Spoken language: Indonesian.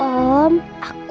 terima kasih pak